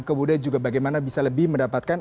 kemudian juga bagaimana bisa lebih mendapatkan